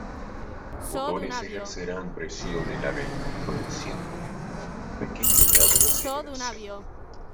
Fotones ejercerán presión en la vela, produciendo un pequeño grado de aceleración.